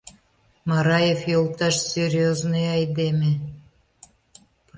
— Мараев йолташ серьёзный айдеме...